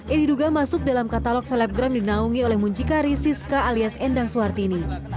ini diduga masuk dalam katalog selebgram dinaungi oleh muncikari siska alias endang suhartini